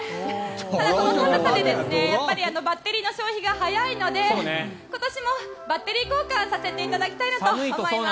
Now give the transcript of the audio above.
この寒さでバッテリーの消費が早いので今年もバッテリー交換をさせていただきたいなと思います。